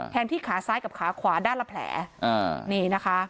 ที่ขาซ้ายกับขาขวาด้านละแผลนี่นะคะ